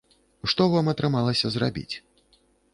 Што вам атрымалася зрабіць?